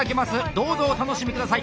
どうぞお楽しみ下さい。